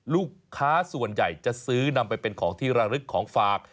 ลูกค้าส่วนใหญ่จะซื้อนำไปเป็นของที่ระลึกของฝาก